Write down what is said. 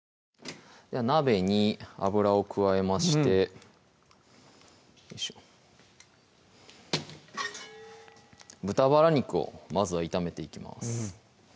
鍋に油を加えまして豚バラ肉をまずは炒めていきます